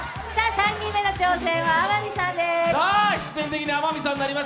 ３人目の挑戦は天海さんです。